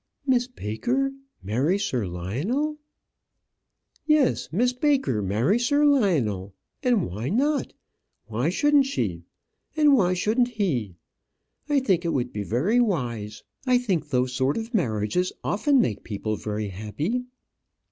"Miss Baker marry Sir Lionel!" "Yes, Miss Baker marry Sir Lionel! and why not? Why shouldn't she? and why shouldn't he? I think it would be very wise. I think those sort of marriages often make people very happy."